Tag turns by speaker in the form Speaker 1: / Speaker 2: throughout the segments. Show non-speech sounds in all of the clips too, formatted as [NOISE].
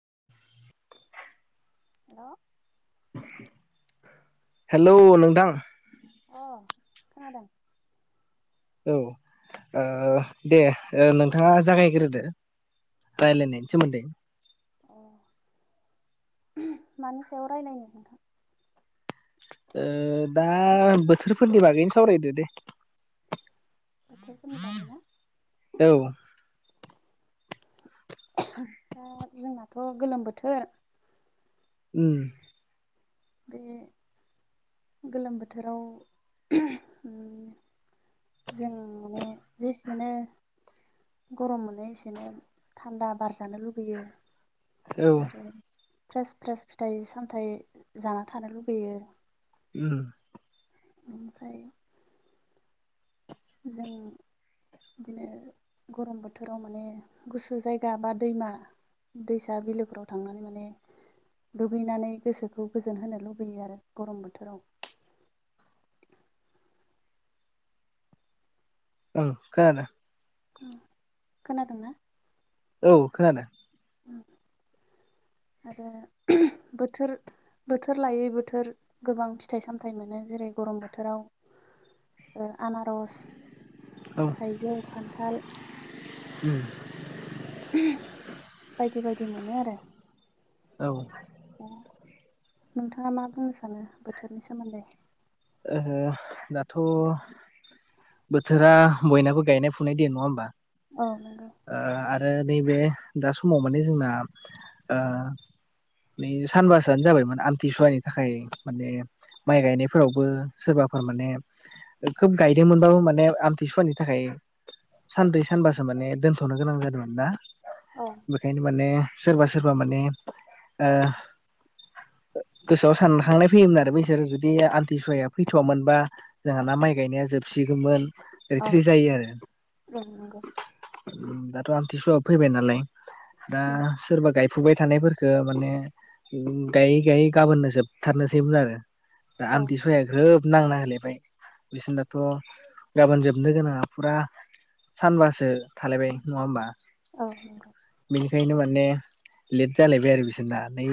Speaker 1: [INAUDIBLE]
Speaker 2: हेल
Speaker 1: hello नोंथां
Speaker 2: खानादों।
Speaker 1: औ ओ दे ओ नोंथाङा जागायग्रोदो रायलाय नायनि सोमोन्दै
Speaker 2: अ मानि सायाव रायज्लायनो नोंथां
Speaker 1: ओ दा बोथोरफोरनि बागैनो सावरायदो दे
Speaker 2: बोथोरफोरनि‌ बागै ना
Speaker 1: औ
Speaker 2: दा जोंनाथ गोलोम बोथोर
Speaker 1: ओम
Speaker 2: बे गोलोम बोथोराव ओम जों माने जेसेनो गरम मोनै एसेनो थान्दा बारजानो लुगैयो
Speaker 1: औ
Speaker 2: आरो फ्रेस फ्रेस फिथाइ सामथाइ जाना थानो लुबैयो
Speaker 1: उम
Speaker 2: ओमफ्राय जों बिदिनो गरम बोथोराव माने गुसु जायगा बा दैमा दैसा बिलोफोराव थांनानै माने दुगैनानै गोसोखौ गोजोन होनो लुबैयो आरो गरम बोथोराव
Speaker 1: [INAUDIBLE] ओ खोनादो
Speaker 2: ओम खोनादोंना
Speaker 1: औ खोनादो [INAUDIBLE]
Speaker 2: आरो बोथोर बोथोर लायै बोथोर गोबां फिथाइ सामथाइ मोनो जेरै गरम बोथोराव ओ आनारस थाइजौ खान्थाल
Speaker 1: ओम
Speaker 2: बायदि बायदि मोनो आरो
Speaker 1: औ
Speaker 2: दा नोंथाङा मा बुंनो सानो बोथोरनि सोमोन्दै
Speaker 1: ओहो दाथ बोथोरा बयनाबो गायनाय फुनाय दिन नङा होमबा
Speaker 2: औ नोंगौ
Speaker 1: ओ नैबे दा समाव माने जोंना ओ नै सानबासोआनो जाबायमोन आमथिसुवानि थाखाय माने माइ गायनाय फोरावबो सोरबाफोर माने खोब गायदोंमोनबाबो माने आमथिसुवानि थाखाय सानब्रै सानबासो माने दोनथ'नो गोनां जादोंमोन ना
Speaker 2: औ
Speaker 1: बेखायनो माने सोरबा सोरबा माने ओ गोसोआव सानखांनाय फैयोमोन आरो बैसोरो जुदि आथि बिफाया फैथ'वामोनबा जोंहाना माइ गायनाया जोबसिगौमोन। ओरै
Speaker 2: औ
Speaker 1: थोरै जायो आरो ओ
Speaker 2: ओं नंगौ
Speaker 1: दा आमथिसुवाबो फैबाय नालाय दा
Speaker 2: उम
Speaker 1: सोरबा गाय फुबाय थानायफोरखो माने गायै गायै गाबोननो जोबथारनोसैमोन आरो। दा
Speaker 2: औ
Speaker 1: आमथिसु ग्रोब नांना होलायबाय बिसोरनाथ' गाबोन जोबनो गोनाङा फुरा सानबासो थालायबाय नङा होमबा?
Speaker 2: औ नंगौ।
Speaker 1: बेनिखायनो माने लेट जालायबाय आरो बिसोरना नै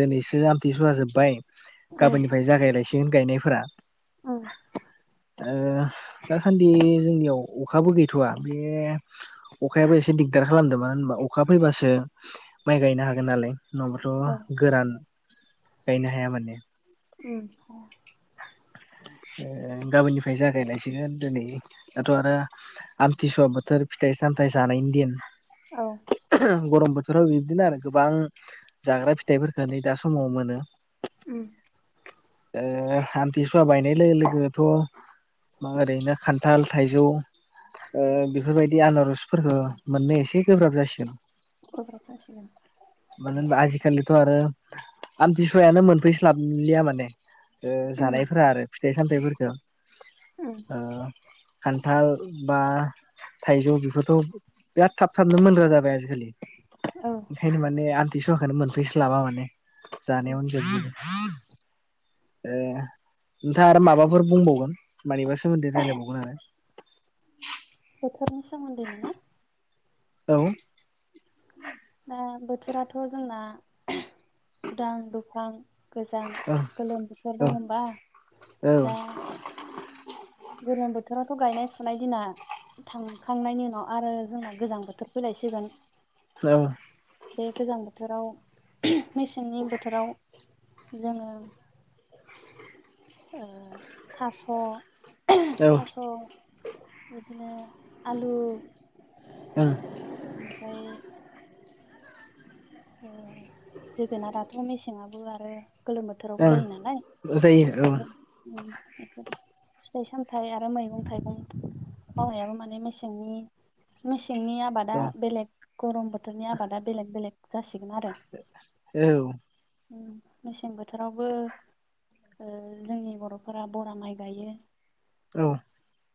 Speaker 1: दिनैसो आमथिसुवा जोब्बाय
Speaker 2: उम
Speaker 1: गाबोननिफाय जागायलायसिगोन गायनायफोरा।
Speaker 2: उम
Speaker 1: ओ दासान्दि जोंनियाव अखाबो गैथ'वा बे अखायाबो एसे दिगदार खालामदो मानो होनबा अखा फैबासो माइ गायनो हागोन नालाय।
Speaker 2: औ
Speaker 1: नङाबाथ' गोरान गायनो हाया माने।
Speaker 2: उम
Speaker 1: ओ गाबोननिफ्राय जागायलायसिगोन दिनै दाथ' आरो आमथिसुवा बोथोर फिथाइ सामथाइ जानायनि दिन
Speaker 2: औ
Speaker 1: गरम बो बेथोराव बिबदिनो आरो गोबां जाग्रा फिथाइफोरखौ नै दा समाव मोनो।
Speaker 2: उम।
Speaker 1: ओ आमथिसुवा बायनाय लोगो लोगोनोथ' मा ओरैनो खान्थाल थाइजौ ओ बेफोरबायदि आनारसफोरखौ मोननो एसे गोब्राब जासिगोन।
Speaker 2: [UNINTELLIGIBLE]
Speaker 1: मानो होनबा आजिखालिथ' आरो आमथिसुवायानो मोनफैस्लाबलिया माने ओ
Speaker 2: उम
Speaker 1: जानायफोरा आरो फिथाइ सामथाइफोरखो
Speaker 2: उम
Speaker 1: ओ खान्थाल बा थाइजौ बेफोरथ' बिराद थाब थाबनो मोनग्रा जाबाय आजिखालि।
Speaker 2: औ।
Speaker 1: बेनिखायनो माने आमथिसुवाखोनो मोनफैसोलाबा माने
Speaker 2: उम
Speaker 1: जानायावनो जोबजोबो। ओ नोंथाङा आरो माबाफोर बुंबावगोन? मानिबा सोमोन्दै रायजलायबावगोन आरो?
Speaker 2: बोथोरनि सोमोन्दैनो ना?
Speaker 1: औ।
Speaker 2: दा बोथोराथ' जोंना उदां, दुफां, गोजां,
Speaker 1: औ
Speaker 2: गोलोम बोथोर
Speaker 1: औ
Speaker 2: दङ ओमबा
Speaker 1: औ।
Speaker 2: गरम बोथोरा थ' गायनाय फुनाय दिना थांखांनायनि उनाव आरो जोंना गोजां बोथोर फैलायसिगोन।
Speaker 1: औ
Speaker 2: बे गोजां बोथोराव मेसेंनि बोथोराव जोङो
Speaker 1: औ
Speaker 2: थास'-थास' बिदिनो आलु
Speaker 1: [INAUDIBLE]
Speaker 2: ओमफ्राय ओ जोगोनाराथ' मेसेंआवबो आरो गोलोम बोथोरावबो
Speaker 1: ओं
Speaker 2: जायो नालाय
Speaker 1: जायो
Speaker 2: [UNINTELLIGIBLE] फिथाइ सामथाइ आरो मैगं थाइगं मावनायाबो माने मेसेंनि, मेसें मेसेंनि आबादा
Speaker 1: औ
Speaker 2: बेलेग गरम बोथोरनि आबादा बेलेग बेलेग। जासिगोन
Speaker 1: औ।
Speaker 2: ओम मेसें बोथोरावबो ओ जोंनि बर'फोरा बरा माइ गायो।
Speaker 1: औ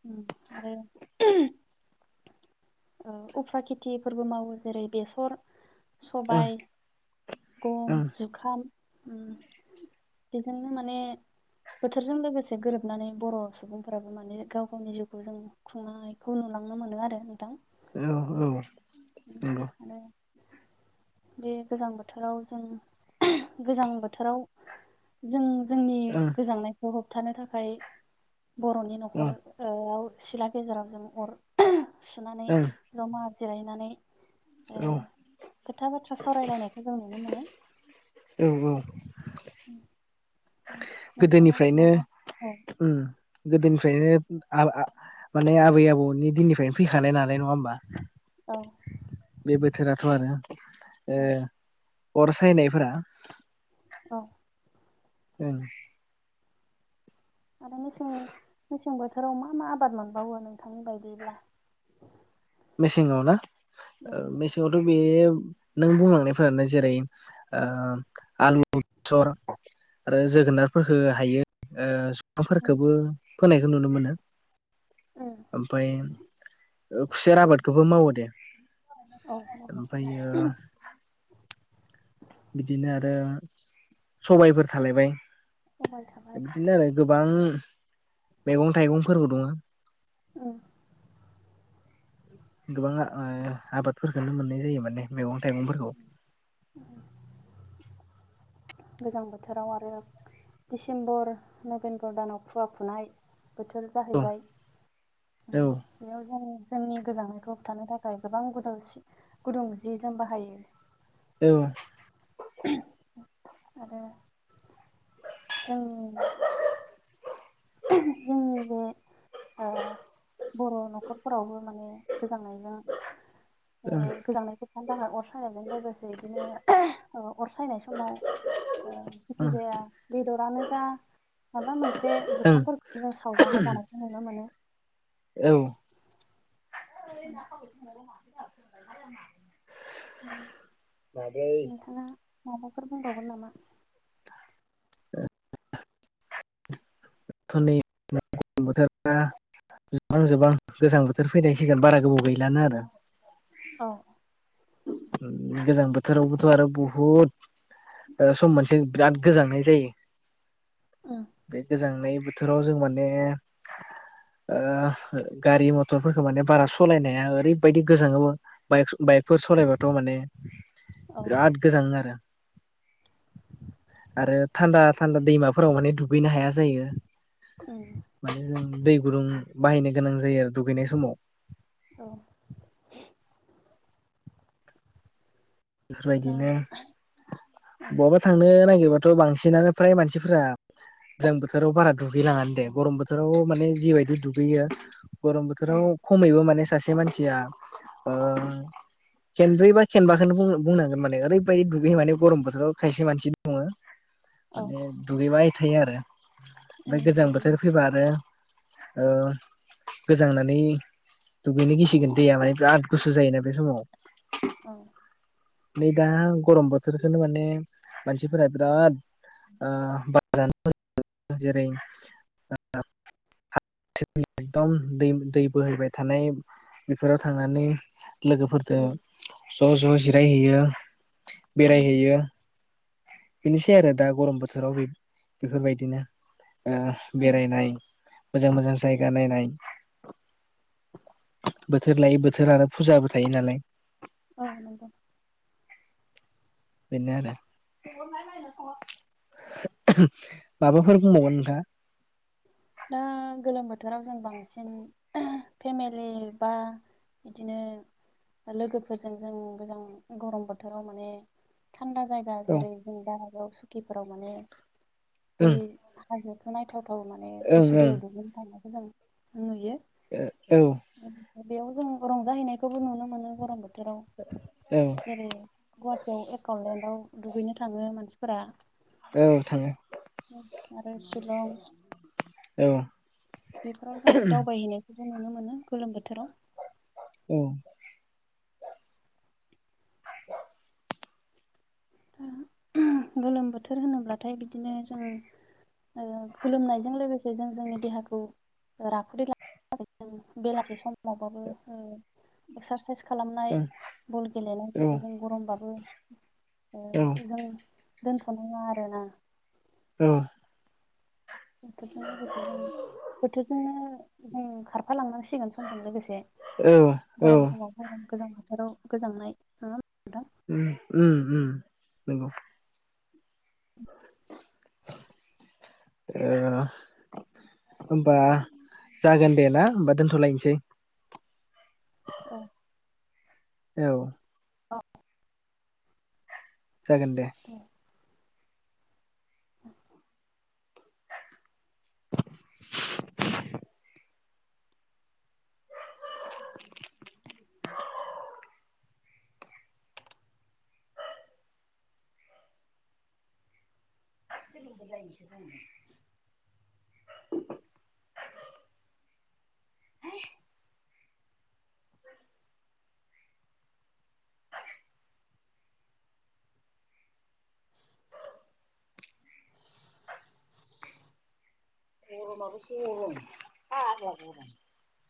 Speaker 2: ओम आरो ओ उफ्रा खेथिफोरबो मावो जेरै बेसर सबाय गम [UNINTELLIGIBLE] बेजोंनो माने बोथोरजों लोगोसे गोरोबनानै बर' सुबुंफोराबो माने गाव गावनि जिउखौ जों खुंनायखौ नु लांनो मोनो आरो नोंथां
Speaker 1: औ औ ओं
Speaker 2: आरो बे गोजां बोथोराव जों गोजां बोथोराव जों जोंनि गोजांनायखौ होबथानो थाखाय बर'नि न'खराव ओ सिला गेजेराव जों अर
Speaker 1: ओं
Speaker 2: सुनानै
Speaker 1: औ
Speaker 2: जमा जिरायनानै ओ
Speaker 1: औ
Speaker 2: खोथा बाथ्रा सावरायलायनायखौ जों नुनो मोनो
Speaker 1: औ
Speaker 2: नोंथाङा
Speaker 1: गोदोनिफ्रायनो
Speaker 2: माबा औ
Speaker 1: ओम गोदोनिफ्रायनो माने आबै आबौनि दिननिफ्राय फैखानाय नालाय नङा होमबा
Speaker 2: औ
Speaker 1: बे बोथोराथ' आरो
Speaker 2: औ
Speaker 1: ओ अर सायनायफोरा
Speaker 2: औ
Speaker 1: ओं
Speaker 2: आरो मेसें मेसें बो बोथोराव मा मा आबाद मोनबावो नोंथांनि बायदिब्ला
Speaker 1: मेसेङाव ना ओ
Speaker 2: उम
Speaker 1: मेसेंआवथ' बे नों बुंलांनायफोरानो जेरै ओ आलु बेसर आरो जोगोनारफोर हो हायो ओ [UNINTELLIGIBLE]
Speaker 2: उम
Speaker 1: फोरखौबो फोनायखौ नुनो मोनो
Speaker 2: उम
Speaker 1: ओमफाय ओ [UNINTELLIGIBLE] आबादखौबो मावो दे
Speaker 2: औ मावो
Speaker 1: ओमफ्रायो बिदिनो आरो सबायफोर थालायबाय
Speaker 2: मावबाय थाबाय
Speaker 1: बिदिनो आरो गोबां मैगं थाइगंफोरबो दङ
Speaker 2: ओम
Speaker 1: गोबां ओ आबादफोरखौनो मोननाय जायो माने मैगं थाइगंफोरखौ [INAUDIBLE]
Speaker 2: गोजां बोथोराव आरो डिसेम्बर नभेम्बर दानाव खुवा फुनाय बोथोर
Speaker 1: औ
Speaker 2: जाहैबाय
Speaker 1: औ
Speaker 2: बेयाव जों जोंनि गोजांनायखौ होबथानो थाखाय गोबां गुदुं सि गुदुं जि जोम बाहायो
Speaker 1: औ
Speaker 2: आरो जोंनि जोंनि [UNINTELLIGIBLE] ओ बर' न'खरफोरावबो माने गोजांनायजों ओ गोजांनायखौ होबथानो थानो थाखाय अर सायनायजों लोगोसे बिदिनो अर सायनाय समाव ओ जेखिजाया बेदरानो जा माबा मोनसे एसे जुखामफोरखौ जों सावजाना जानायखौ नुनो मोनो
Speaker 1: औ
Speaker 2: ओम ओम
Speaker 1: दाथ'
Speaker 2: नोंथाङा माबाफोर बुंबावगोन नामा
Speaker 1: [UNINTELLIGIBLE] [INAUDIBLE] बोथोरा जोबां जोबां गोजां बोथोर फैनाय सिगोन बारा गोबाव गैलानो आरो।
Speaker 2: औ
Speaker 1: गोजां बोथोरावबोथ' आरो बुहुत ओ सम मोनसे बिराद गोजांनाय जायो
Speaker 2: उम
Speaker 1: [INAUDIBLE] बे गोजांनाय बोथोराव जों माने ओह हो गारि मटरफोरखो माने बारा सलायनाया ओरैबबायदि गोजाङोमोन बाइक स- बाइक फोर सलायबाथ' माने,
Speaker 2: औ
Speaker 1: बिराद गोजांङो आरो। [INAUDIBLE] आरो थान्दा थान्दा दैमाफोराव माने दुगैनो हाया जायो।
Speaker 2: उम
Speaker 1: [INAUDIBLE] माने जों दै गुुदुं बाहायनो गोनां जायो आरो। दुगैनाय समाव [INAUDIBLE]
Speaker 2: औ दा
Speaker 1: बेफोरबायदिनो
Speaker 2: उम
Speaker 1: बवाबा थांनो नागिर बाथ' बांसिनानो फ्राय मानसिफोरा गोजां बोथोराव बारा दुगैलाङानोदे गरम बोथोराव माने जिबायदि दुगैयो गरम
Speaker 2: उम
Speaker 1: बोथोराव खमैबो माने स सासे मानसिया ओ खेनब्रै बा खेनबाखोनो बुंनो बुंनांगोन माने ओरैबायदि दुगैयो माने गरम बोथोराव खायसे मानसि दङो
Speaker 2: औ
Speaker 1: माने दुगैबाय थायो आरो। ओमफाय गोजां
Speaker 2: उम
Speaker 1: बोथोर फैबा आरो ओ गोजांनानै दुगैनो गिसिगोन दैया माने बिराद गुसु जायोना बे समाव।
Speaker 2: औ
Speaker 1: नै दा गरम बोथोरखोनो माने मानसिफोरा बिराद ओ बा [UNINTELLIGIBLE] जेरै [UNINTELLIGIBLE] [UNINTELLIGIBLE] दै दै बोहैबाय थानाय बेफोराव थांनानै लोगोफोरदो
Speaker 2: उम
Speaker 1: ज' ज' जिरायहैयो,
Speaker 2: उम
Speaker 1: बेरायहैयो। बिनोसै आरो दा गरम बोथोराव बेब- बेफोरबायदिनो ओ
Speaker 2: उम
Speaker 1: बेरायनाय मोजां मोजां जायगा नायनाय। बोथोर लायै बोथोर आरो फुजाबो थायो नालाय।
Speaker 2: औ नंगौ
Speaker 1: बेनो आरो। [INAUDIBLE] माबाफोर बुंबावगोन नोंथाङा?
Speaker 2: दा गोलोम बोथोराव जों [UNINTELLIGIBLE] बांसिन फेमिलि बा बिदिनो लोगोफोरजों जों गोजां गरम बोथोराव माने थान्दा जायगा
Speaker 1: औ
Speaker 2: जेरै जों दारागाव सुकिफोराव माने बे
Speaker 1: ओं
Speaker 2: हाजो नायथावथाव माने
Speaker 1: ओं
Speaker 2: गुसु दैयाव दुगैनो थांनायखौ जों नुयो।
Speaker 1: ओ औ
Speaker 2: बेयाव जों रंजाहैनायखौबो नुनो मोनो गरम बो थोराव जेरै गुवाटियाव एकावलेन्डआव दुगैनो थाङो मानसिफोरा।
Speaker 1: औ औ थाङो
Speaker 2: [INAUDIBLE] आरो शिलं
Speaker 1: औ
Speaker 2: बेफोराव जों दावबायहैनायखौबो नुनो मोनो गोलोम बोथोराव।
Speaker 1: [INAUDIBLE] औ [UNINTELLIGIBLE]
Speaker 2: दा गोलोम बोथोर होनोब्लाथाय बिदिनो जोङो ओ गोलोमनायजों लोगोसे जों जोंनि देहाखौ राफोदै ला [UNINTELLIGIBLE] दों बेलासि समावबाबो ओ एक्सारसाइस खालामनाय
Speaker 1: औ
Speaker 2: बल गेलेनायफोरखौ जों गरमबाबो ओ जों दोनथ'नाङा आरोना।
Speaker 1: औ
Speaker 2: बोथोरजों लोगोसे जों बोथोरजोंनो जों खारफालांनांसिगोन समजों लोगोसे।
Speaker 1: औ औ
Speaker 2: गरम समाव गरम गोजां बोथोराव गोजांनाय नङा [UNINTELLIGIBLE] नोंथां
Speaker 1: उम उम नंगौ। [INAUDIBLE] ओ होमबा जागोन दे ना होमबा दोनथ'लायनोसै।
Speaker 2: नोंथां औ
Speaker 1: औ।
Speaker 2: औ
Speaker 1: जागोन दे। [INAUDIBLE] गर'माबो गर'म [UNINTELLIGIBLE] गर'म।